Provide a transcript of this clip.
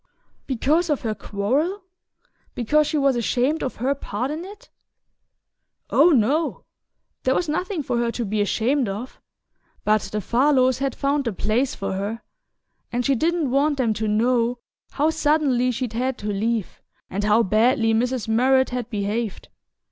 "Because of her quarrel? Because she was ashamed of her part in it?" "Oh, no. There was nothing for her to be ashamed of. But the Farlows had found the place for her, and she didn't want them to know how suddenly she'd had to leave, and how badly Mrs. Murrett had behaved.